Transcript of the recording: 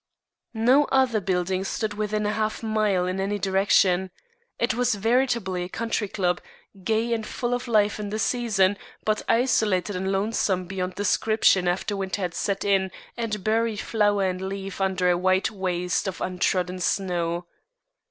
No other building stood within a half mile in any direction. It was veritably a country club, gay and full of life in the season, but isolated and lonesome beyond description after winter had set in and buried flower and leaf under a wide waste of untrodden snow.